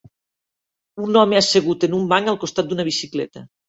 Un home assegut en un banc al costat d'una bicicleta.